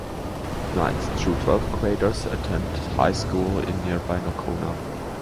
Ninth through twelfth graders attend high school in nearby Nocona.